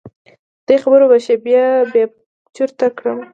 دې خبرو به شیبه بې چرته کړم.